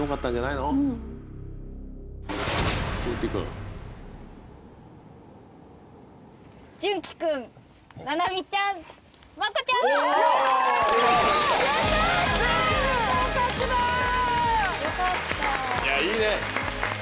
いやいいね。